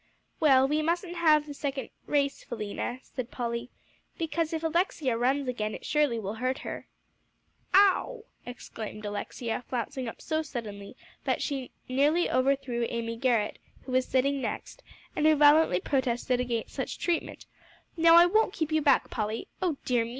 "Well, we mustn't have the second race, Philena," said Polly; "because if Alexia runs again, it surely will hurt her." "Ow!" exclaimed Alexia, flouncing up so suddenly that she nearly overthrew Amy Garrett, who was sitting next, and who violently protested against such treatment, "now I won't keep you back, Polly. Oh dear me!